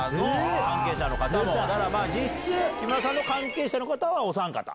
実質木村さんの関係者の方はおさん方。